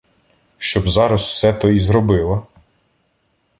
Щоб зараз все то ізробила